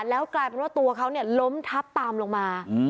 แล้วกลายเป็นว่าตัวเขาล้มทับตามลงมา